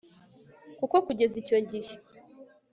kuko kugeza icyo gihe